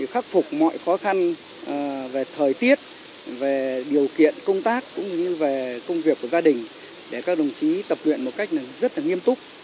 khắc phục mọi khó khăn về thời tiết về điều kiện công tác cũng như về công việc của gia đình để các đồng chí tập luyện một cách rất nghiêm túc